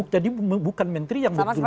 jadi bukan menteri yang berhubungan